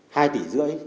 hai tỷ rưỡi